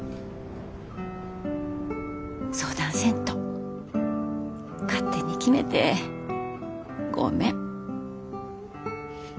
相談せんと勝手に決めてごめん。